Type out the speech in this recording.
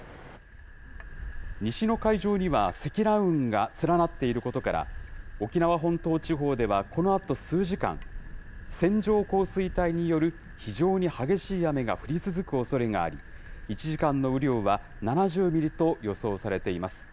西の海上には、積乱雲が連なっていることから、沖縄本島地方ではこのあと数時間、線状降水帯による非常に激しい雨が降り続くおそれがあり、１時間の雨量は７０ミリと予想されています。